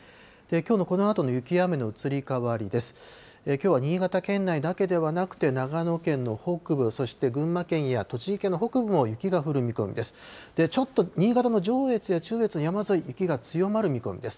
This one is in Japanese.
きょうは新潟県内だけではなくて、長野県の北部、そして群馬県や栃木県の北部も雪が降る見込みです。